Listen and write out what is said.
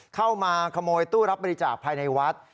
เข้ามาขโมยตู้รับบริจาคภายในวัด